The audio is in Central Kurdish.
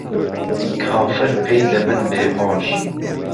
کافر پێی دهبن بێ هۆش